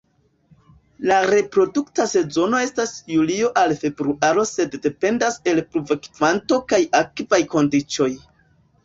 La reprodukta sezono estas julio al februaro sed dependas el pluvokvanto kaj akvaj kondiĉoj.